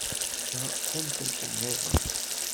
Ta d tamsalt niḍen.